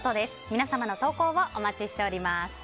皆様の投稿をお待ちしております。